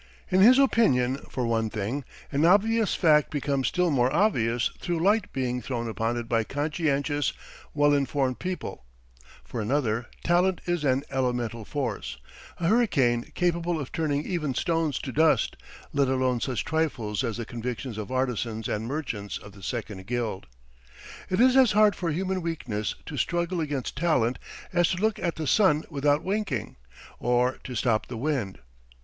In his opinion, for one thing, an obvious fact becomes still more obvious through light being thrown upon it by conscientious, well informed people; for another, talent is an elemental force, a hurricane capable of turning even stones to dust, let alone such trifles as the convictions of artisans and merchants of the second guild. It is as hard for human weakness to struggle against talent as to look at the sun without winking, or to stop the wind.